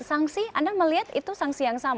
sanksi anda melihat itu sanksi yang sama